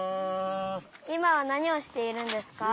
いまはなにをしているんですか？